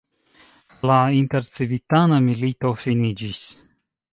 La intercivitana milito finiĝis.